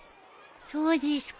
そうですか。